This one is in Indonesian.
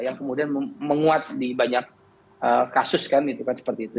yang kemudian menguat di banyak kasus kan seperti itu